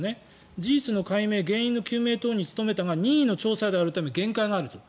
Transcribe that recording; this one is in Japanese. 事実の解明、原因の解明に務めたが、任意の調査であるため限界があると。